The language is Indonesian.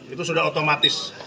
itu sudah otomatis